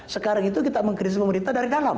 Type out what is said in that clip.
sekarang itu kita mengkris pemerintah dari dalam